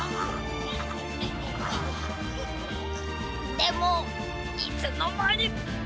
でもいつのまに。